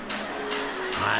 ［はい。